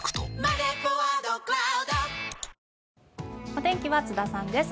お天気は津田さんです。